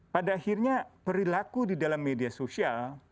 pada akhirnya perilaku di dalam media sosial